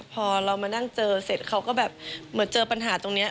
พอเรามานั่งเจอเสร็จเขาก็แบบเหมือนเจอปัญหาตรงนี้